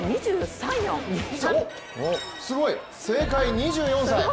おっ、すごい正解、２４歳！